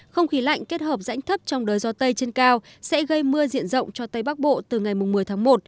không khí lạnh kết hợp rãnh thấp trong đời gió tây trên cao sẽ gây mưa diện rộng cho tây bắc bộ từ ngày một mươi tháng một